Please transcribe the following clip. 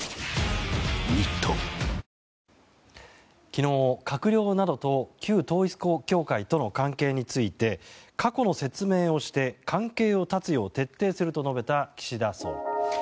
昨日、閣僚などと旧統一教会との関係について過去の説明をして関係を断つよう徹底すると述べた岸田総理。